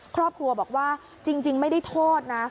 ครอบครัวบอกว่าจริงไม่ได้โทษนะ